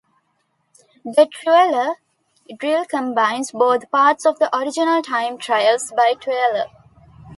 The Tueller Drill combines both parts of the original time trials by Tueller.